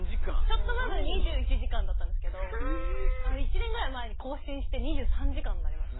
ちょっと前まで２１時間だったんですけど１年ぐらい前に更新して２３時間になりました。